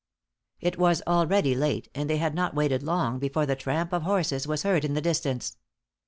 It was already late, and they had not waited long before the tramp of horses was heard in the distance.